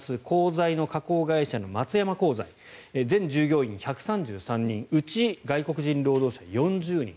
鋼材の加工会社の松山鋼材全従業員１３３人うち外国人労働者４０人。